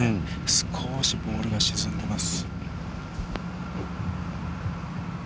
少しボールが沈んでいます。